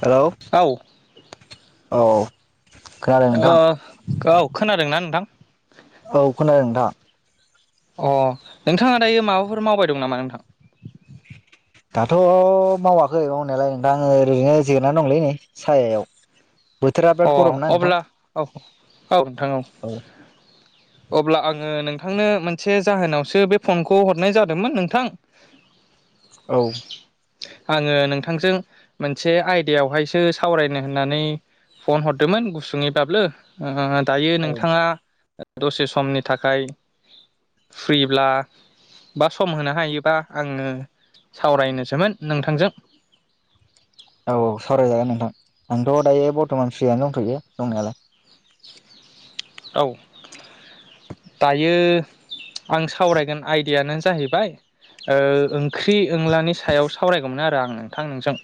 हेल'। औ ओ औ। खोनादों नोंथां ओ। औ खोनादोंना नोंथां? औ खोनादों थां। अ नोंथाङा दायो माबाफोर मावबाय दं नामा नोंथां? दाथ' मावाखै मावनायालाय नोंथां ओरैनो जिरना दंलै नै सायायाव। बोथोरा अ बिराद गरम ना नोंथां? अब्ला औ औ नोंथां औ। अब्ला आङो नोंथांनो मोनसे जाहोनावसो बे फनखौ हरनाय जादोंमोन नोंथां। [inaudible] औ। आङो नोंथांजों मोनसे आयदायावहायसो सावरायनो होननानै फन हरदोमोन गुसुङै बाबलो ओ दायो औ नोंथाङा ओ दसे समनि थाखाय फ्रिब्ला बा सम होनो हायोबा आङो सावरायनोसोमोन नोंथांजों। [inaudible] औ सावरायजागोन नोंथां आंथ' दायो बरथ'मान फ्रियानो दंथ'यो दंनायालाय। औ दायो आं सावरायगोन आयदायानो जाहैबाय ओ ओंख्रि ओंलानि सायाव सावरायगौमोन आरो आं नोंथां नोंजों।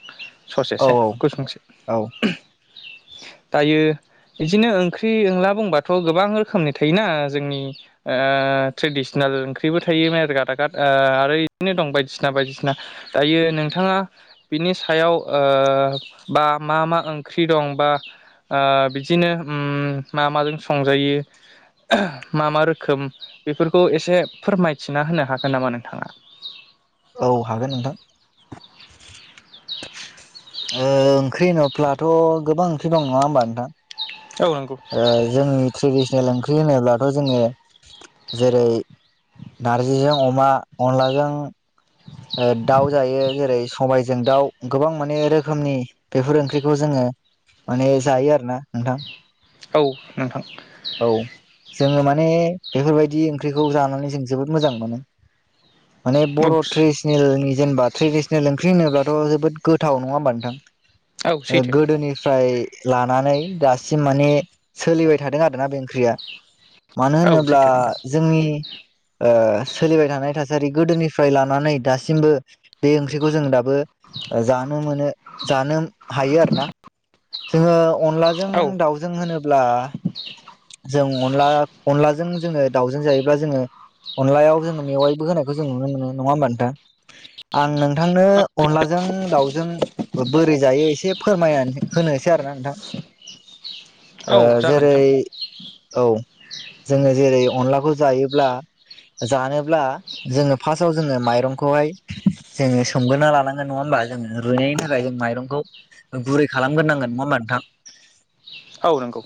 औ ससेसे गुसुंसे औ दायो बिदिनो ओंख्रि ओला बुंबाथ' गोबां रोखोमनि थायोना जोंनि ओ ओ ट्रेडिसनेल ओंख्रिबो थायो मेर-गादागाद ओ आरो इदिनो दं बायदिसिना बायदिसिना दायो नोंथाङा बिनि सायाव औ बा मा मा ओंख्रि दं बा ओ बिदिनो उम मा-माजों संजायो मा मा रोखोम बेफोरखौ एसे फोरमायथिना होनो हागोन नामा नोंथाङा? [inaudible] औ हागोन नोंथां। ओंख्रि होनोब्लाथ' गोबां ओंख्रि दं नङा होमबा औ नंगौ नोंथां? जोंनि ट्रेडिस नेल ओंख्रि होनोब्लाथ' जोङो जेरै नारजिजों अमा अनलाजों दाउ जायो जेरै सबायजों दाउ गोबां माने रोखोमनि बेफोर ओंख्रिखौ जोङो माने जायो आरो ना नोंथां। औ नोंथां। औ जोङो माने बेफोरबायदि ओंख्रिखौ जानानै जों जोबोद मोजां मोनो। माने बर' उप्स फोरनि जेनबा ट्रेडसनेल ओंख्रि होनोबाथ' जोबो गोथाव नङा होमबा नोंथां? औ सैथो गोदोनिफ्राय लानानै दासिम माने सोलिबाय थादों आरोना बे ओंख्रिया। मानो औ होनोब्ला सैथो नोंथां जोंनि सोलिबाय थानाय थासारि गोदोनिफ्राय ला मानै दासिमबो बे बे ओंख्रिखौ जों दा बो जानो हायो आरोना जोङो अनलाजों औ दाउजों होनोब्ला जों अनला अनलाजों जोङो दाउजों जायोब्ला जोङो अनलायाव जोङो मेवायबो होनायखौ जों नुनो मोनो नङा होमबा नोंथा? आं नोंथांनो अनला जों जों दाउजों बोरै जायो एसे फोरमायनानै होनोसै आरो ना नोंथां। [inaudible] जागोन जेरै नोंथां औ जोङो जेरै अनलाखौ जायो। जानोब्ला जोङो फासाव जोङो माइरंखौहाय जोङो सोमगोरना लानांगोन नङा होमबा? जोङो रुयैनि थाखाय जों माइरंखौ गुरै खालामगोरनांगोन नङा होमबा नोंथां? औ नोंगौ।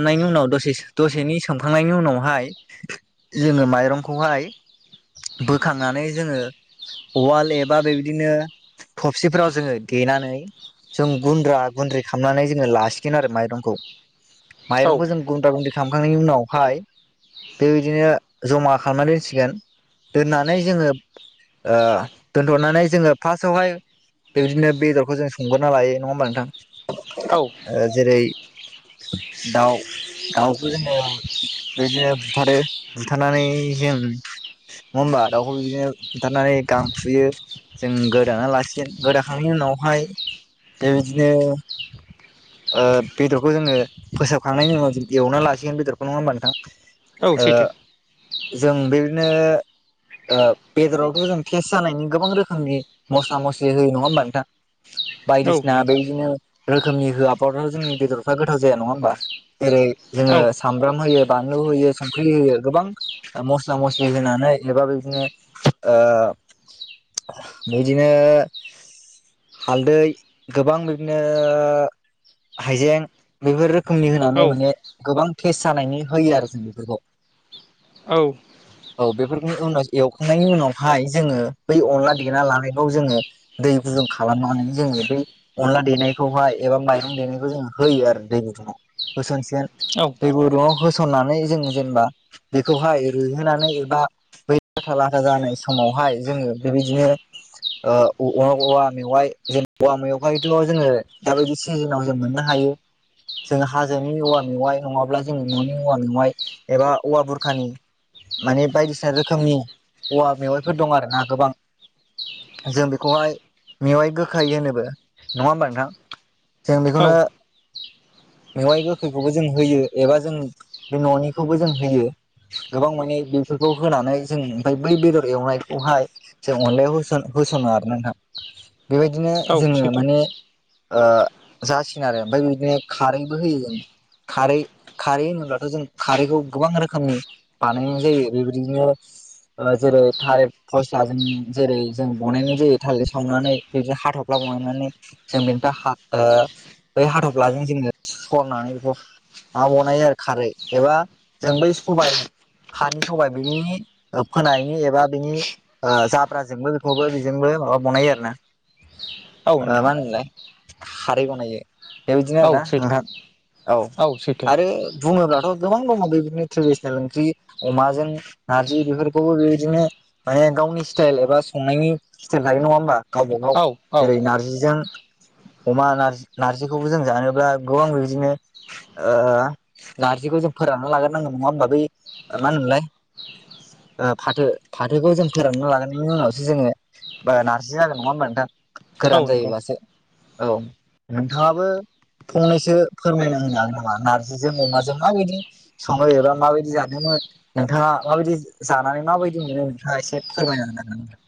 नायनि उनाव दसे-दसेनि सोमखांनायनि उनावहाय जोङो माइरंखौहाय बोखांनानै जोङो उवाल एबा बेबिदिनो थबसिफोराव जोङो देनानै जों गुन्द्रा गुन्द्रि खामनानै जोङो लासिगोन आरो माइरंखौ। औ माइरंखौ जों गुनद्रा गुन्द्रि खामखांनायनि उनावहाय बेबिदिनो जमा खामनानै दोनसिगोन। दोननानै जोङो दोनथ'नानै जोङो फासआवहाय बेबिदिनो बेदरखौ जों संगोरना लायो। नङा होमबा नोंथां? औ ओ जेरै दाउ बेखौ जोङो बेबिदिनो बुथारो। बुथारनानै जों नङा होमबा दाउखौ बिदिनो बुथारनानै नै गांफुयो जों गोदाना लासिगोन। गोदाखांनायनि उनावहाय बेबिदिनो ओ बेदरखौ जोङो फोसाबखांनायनि उनाव जों एवाना लासिगोन बेदरखौ। नङा होमबा नोथां? औ सैथो। जों बेबिदिनो ओ बेदरावथ' जों थेस जानायनि गोबां रोखोमनि मस्ला मस्लि होयो। नङा होमबा नोंथां? औ बायदिसिना बेबिदिनो रोखोमनि होआबाबो जोंनि बेदरफ्रा गोथाव जाया। नङा होमबा? जेरै औ जोङो सामब्राम होयो बानलु होयो, संख्रि होयो गोबां मस्ला मस्लि होनानै एबा बेबिदिनो ओ बिदिनो हालदै गोबां बेबिदिनो हाइजें बेफोर रोखोमनि औ होनानै माने गोबां थेस जानायनि होयो आरो जों बेफोरखौ। औ। औ बेफोरखौनि उनाव एवखांनायनि उनावहाय जोङो बै अनला देना लानायाव जोङो दै गुदुं खालामनानै जोङो बै अनला देनायखौहाय एबा माइरं देनायखौ जों होयो आरो दै गुदुङाव। होसनसिगोन दै गुदुंङाव होस सननानै जों जेनेबा बेखौहाय रुयहोनानै एबा बै लाथा लाथा जानाय समावहाय जोङो बेबिदिनो ओ औवा-औवा मेवाइ जेनबा औवा मेवखायथ' जोङो दाबायदि सिजोनाव जों मोननो हाय ओ जों हाजोनि औवा मेवाइ नङाब्ला जोंनि न'नि औवा मेवाइ एबा औवा बुरखानि माने बायदिसिना रोखोमनि औवा मेवाइफोर दं आरो ना गोबां। जों बेखौहाय मेवाय गोखै होनोबो। नङा होमबा नोंथां? जों औ बेखौनो मेवाय गो थुखौबो जों होयो एबा जों बे न'निखौबो जों होयो। गोबां माने बेफोरखौ होनानै जों ओमफाय बै बेदर एवनायखौहाय जों अनलायाव होसोन होसङो आरोना नोंथां। बेबायदिनो औ जोङो सैथो माने ओ जासिगोन आरो। ओमफाय बेबिदिनो खारैबो होयो। खारै खारै होनोब्लाथ' जों खारैखौ गोबां रोखोमनि बानायनाय जायो। बेबिदिनो ओ जेरै थालेद फस्लाजों जेरै जों बनायनाय जायो थालेद सावनानै बेबिदि हाथ'फ्ला [unintelligible] जों बेनिफाय हा ओ बै हाथ'फ्लाजों जोंङो सरनानै बेखौ मा बनायो आरो खारै एबा जों बै सबाय हानि सबाय बिनि ओ फोनायनि एबा बिनि ओ जाब्राजोंबो बेखौबो बिजोंबो सोरबाबा बनायो आरो ना। [inaudible] मा नोंथां होनोमोनलाय खारै बनायो। बेबिदिनो औ आरोना सैथो नोंथां औ आरो बुङो ब्लाथ' गोबां दङ बेबिदिनो ट्रेडिसनेल ओंख्रि अमाजों नारजि बेफोरखौबो बेबिदिनो माने गावनि स्टाइल एबा संनायनि स्टाइल थायो। नङा होमबा? गावबा गाव औ औ जेरै नारजिजों अमा नारजि नारजिखौबो जों जानोब्ला गोबां बेबिदिनो ओ नारजिखौ जों फोरानना लागोर नांगोन। नङा होमबा बै मा होनोमोनलाय? ओ फाथो फाथोखौ जों फोरानना लागोरनानि उनावसो जोङो बारा नारजि जागोन। नङा होनबा नोंथां? औ गोरान नंगौ जायोब्लासो। औ नोंथाङाबो फंनैसो फोरमायना [unintelligible] नारजिजों अमाजों माबायदि सङो एबा माबायदि जानो मो नोंथाङा माबायदि जो जानानै माबायदि मोनो नोंथाङा एसे फोरमायना होगोन नामा?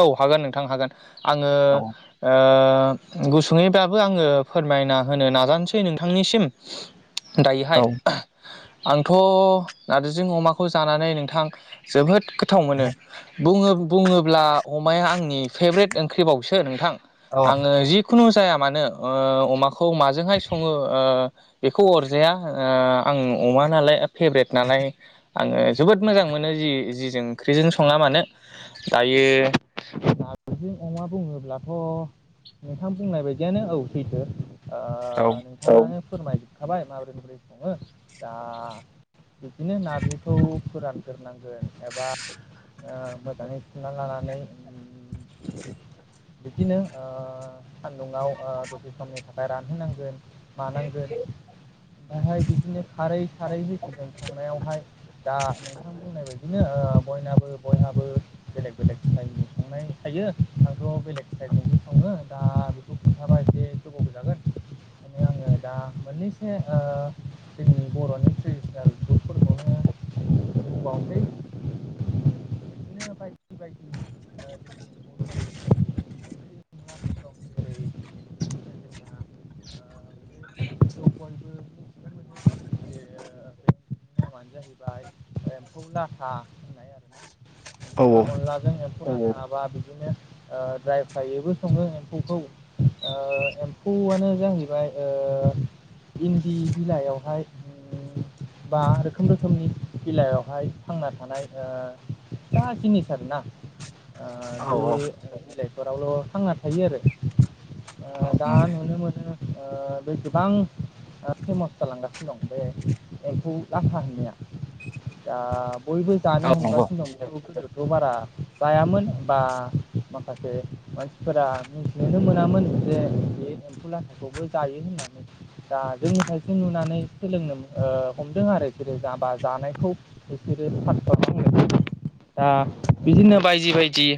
औ हागोन नोंथां हागोन। आङो ओ होनो हागोन नामा? थां गुसुङैबाबो आङो फोरमायना होनो नाजानसै नोंथांनिसिम दायोहाय औ आंथ' नारजिजों अमाखौ जानानै नोंथां जोबोद गोथाव मोनो। बुङो बुङोब्ला अमाया आंनि फ्रेभ्रेट ओंख्रिबावसो नोंथां। आङो जिखुनु जाया मानो ओ अमाखौ माजोंहाय सङो ओ बेखौ अरजाया ओ आं अमा नालाय फेब्रेट नालाय आङो जोबोद मोजां मोनो जि जि जों ओंख्रिजों सङा मानो दायो नारजिजों अमा बुङोब्लाथ' नोंथां बुंनाय बायदियानो औ सैथो। ओ औ नोंथाङानो फोरमाय जोबखाबाय माबोरै माबोरै सङो दा बिदिनो नारजिखौ फोरानगोरनांगोन एबा ओ मोजाङै सुनानै लानानै उम बिदिनो ओ सान्दुङाव ओ दसे समनि थाखाय रानहोनांगोन मानांगोन। ओमफायहाय बिदिनो खारै खारै [unintelligible] संनायावहाय दा नोंथां बुंनाय बायदिनो ओ बयनाबो बयहाबो बेलेग बेलेग स्टाइलनि संनाय थायो आंथ' बेलेग स्टाइलजोंसो सङो दा बेखौ खिन्थाबा एसे गोबावबो जागोन। ओंखायनो आङो दा मोननैसो ओ जोंनि बर'नि ट्रेडिसनेल फुदफोरखौनो बुंबावसै बिदिनो बायदि बायदि [inaudible] जेरै [inaudible] ओ [inaudible] बयबो मिथिनो मोनो जे ओ ओ बेनि नामानो जाहैबाय एम्फौ लाथा होननाय आरो ना। एमफौ ला औ अनलाजों एम [inaudible] हाबा बिदिनो ओ द्राय फ्रायैबो सङो एम्फौखौ। ओ एम्फौवानो जाहैबाय ओ इन्दि बिलायावहाय उम बा रोखोम रोखोमनि बेलायावहाय थांना थानाय ओ फिसा जिनिस आरोना। ओ बे औ औ ओ बिलायफोरावल' थांना थायो आरो। ओ दा नुनो मोनो। ओ बे गोबां ओ फेमस जालांगासिनो दं बे एम्फौ लाथा होन्नाया। दा बयबो जानो नंगौ नंगौ हमगासिनो दं बे [inaudible] बारा जायामोन बा माखासे मानसिफोरा मिनथिनोनो मोनामोन जे बिदि एम्फौ लाथाखौबो जायो होननानै। दा जोंनिफायसो नुनानै सोलोंनो ओ हमदों आ [unintelligible] जा बा जानायखौ बिसोरो [inaudible] दा बिदिनो बायदि बायदि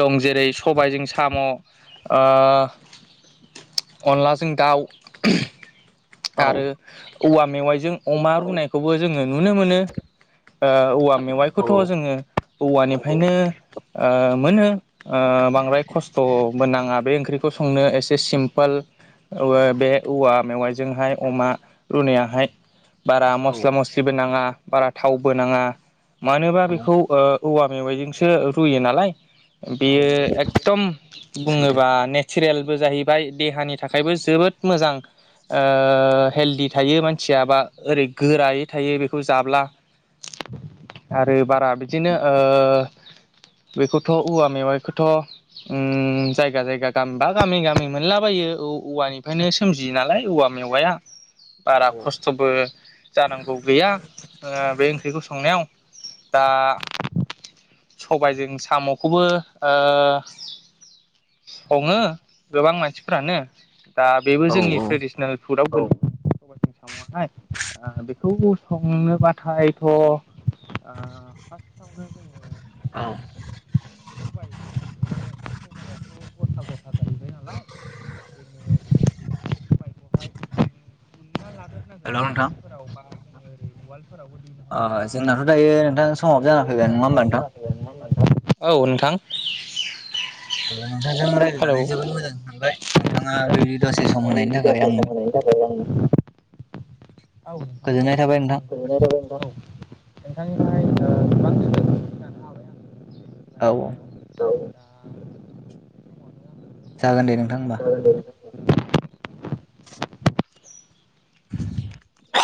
दं जेरै सबायजों साम' ओ अनलाजों दाउ [unintelligible] आरो औवा मेवाइजों अमा रुनायखौबो जोङो नुनो मोनो। ओ औवा मेवाइखौथ' जोङो औवानिफायनो ओ मोनो। ओ बांद्राय खस्थ'बो नाङा बे ओंख्रिखौ संनो एसे सिम्पोल ओबो बे औवा मेवायजोंहाय अमा रुनायाहाय बारा मस्ला मस्लिबो नाङा बारा थावबो नाङा मानोबा औ बेखौ ओ औवा मेवाइजोंसो रुयो नालाय। बियो एकदम सैथो बुङोबा नेचोरेलबो जाहैबाय देहानि थाखायबो जोबो द मोजां। ओ हेल्दि थायो मानसिया बा ओरै गोरायै थायो बेखौ जाब्ला। आरो बारा बिदिनो ओ बेखौथ' उवा मेवाइखोथ' उम जायगा जायगा गाम बा गामि गामि मोनलाबायो औ औवानिफायनो सोमजियो नालाय। औवा मेवाया औ बारा औ खस्थ'बो जानांगौ गैया ओ बे ओंख्रिखौ संनायाव। दा सबायजों साम'खौबो ओ सङो गोबां मानसिफ्रानो। दा बेबो जोंनि औ ट्रेडिसनेल फुडआव दं। सबायजों साम'आहाय ओ बेखौ संनोबाथाय थ' आ फास्ट आवनो जोङो औ सबाइ बे सबाइया बेथ' गथा गथा जाहैबाय नालाय जोङो सबायखौहाय उनना लाग्रोनांगोन हेल' नोंथां मिक्सारफोराव बा ओरै उवाल फोरावबो देनो ओ हायोबा जोंनाथ' दायो नोंथां [inaudible] समाबो जाना फैबाय नङा होमबा नोंथां? औ नोंथां। नोंथांजों हेलौ रायज्लायनानै [inaudible] जोबोद मोजां मोनबाय नोंथाङा बेबायदि दसे सम होनायनि थाखाय आंनो आं औ गोजोननाय नोंथां थाबाय औ। गोजोननाय थाबाय नोंथां औ। नोंथांनिफाय ओ गोबां [inaudible] लानो हाबाय औ औ जागोन दे नोंथां होमबा। औ [inaudible]